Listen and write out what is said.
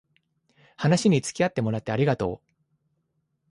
話につきあってもらってありがとう